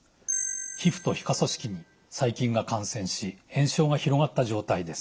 皮膚と皮下組織に細菌が感染し炎症が広がった状態です。